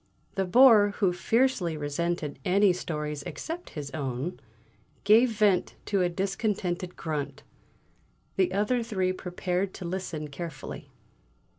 The Bore, who fiercely resented any stories except his own, gave vent to a discontented grunt; the other three prepared to listen carefully.